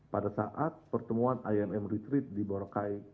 pada saat pertemuan inm retreat di boracay